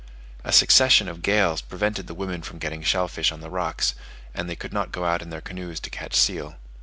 A succession of gales prevented the women from getting shell fish on the rocks, and they could not go out in their canoes to catch seal.